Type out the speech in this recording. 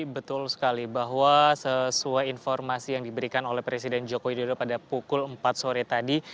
betul sekali bahwa sesuai informasi yang diberikan oleh presiden joko widodo pada pukul empat sore tadi